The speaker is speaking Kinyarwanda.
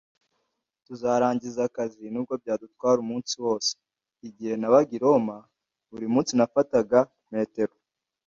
Tuzarangiza akazi nubwo byadutwara umunsi wose. Igihe nabaga i Roma, buri munsi nafataga metero.